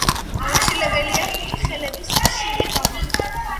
აუცილებელია ხელების ხშირი დაბანა.